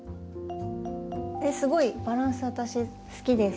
えっすごいバランス私好きです。